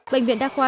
bệnh viện đa khoa